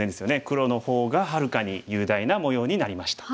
黒の方がはるかに雄大な模様になりました。